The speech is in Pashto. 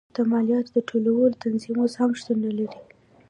د مالیاتو د ټولولو تنظیم اوس هم شتون نه لري.